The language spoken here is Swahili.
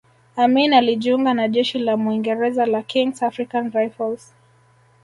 Amin alijiunga na Jeshi la Mwingereza la Kings African Rifles